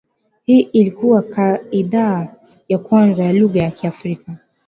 Hii ilikua idhaa ya kwanza ya lugha ya Kiafrika